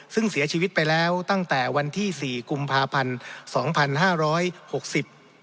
ซึ่งเสียชีวิตไปแล้วตั้งแต่วันที่สี่กุมภาพันธ์สองพันห้าร้อยหกสิบ